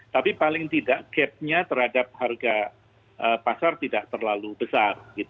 tapi paling tidak gapnya terhadap harga pasar tidak terlalu besar